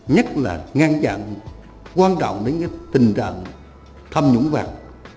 nhất là ngăn chặn quan trọng đến cái tình trạng tham nhũng vặt